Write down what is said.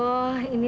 ini tuh soalnya